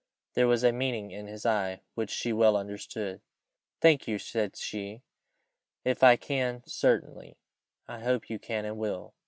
There was a meaning in his eye, which she well understood. "Thank you," said she; "if I can certainly " "I hope you can and will."